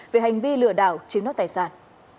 về hành vi lừa đảo chiếm đốt tài sản